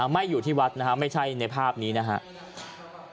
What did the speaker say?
ไม่อยู่ที่วัดนะครับไม่ใช่ในภาพนี้นะครับ